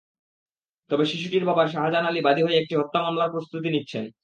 তবে শিশুটির বাবা শাহজাহান আলী বাদী হয়ে একটি হত্যা মামলার প্রস্তুতি নিচ্ছেন।